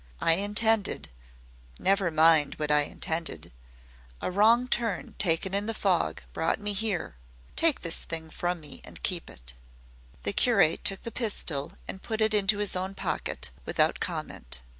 "I intended never mind what I intended. A wrong turn taken in the fog brought me here. Take this thing from me and keep it." The curate took the pistol and put it into his own pocket without comment.